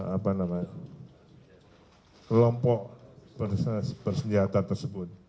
apa namanya kelompok bersenjata tersebut